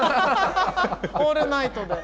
オールナイトで。